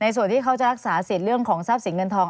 ส่วนที่เขาจะรักษาสิทธิ์เรื่องของทรัพย์สินเงินทอง